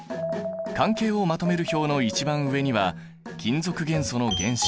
関係をまとめる表の一番上には金属元素の原子。